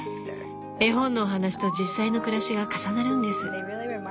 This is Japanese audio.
絵本のお話と実際の暮らしが重なるんです。